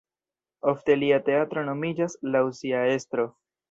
Ofte lia teatro nomiĝas laŭ sia estro.